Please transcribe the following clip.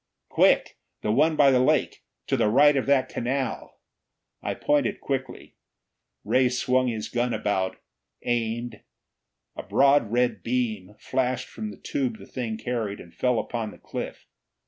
"Quick! The one by the lake! To the right of that canal!" I pointed quickly. Ray swung his gun about, aimed. A broad red beam flashed from the tube the thing carried, and fell upon the cliff.